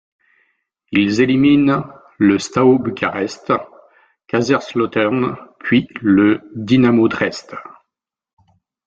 Ils éliminent le Steaua Bucarest, Kaiserslautern puis le Dynamo Dresde.